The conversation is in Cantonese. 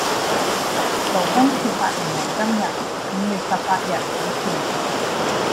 勞工處發言人今日（五月十八日）表示